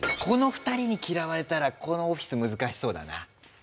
この二人に嫌われたらこのオフィス難しそうだな。